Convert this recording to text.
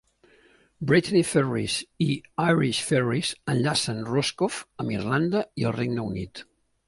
Brittany Ferries i Irish Ferries enllacen Roscoff amb Irlanda i el Regne Unit.